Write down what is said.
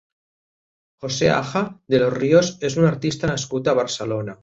José Aja de los Ríos és un artista nascut a Barcelona.